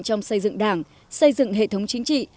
trong xây dựng đảng xây dựng hệ thống chính trị